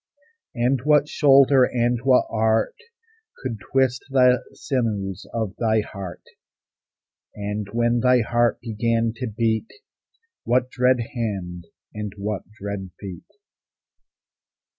And what shoulder and what art Could twist the sinews of thy heart? And, when thy heart began to beat, What dread hand and what dread feet?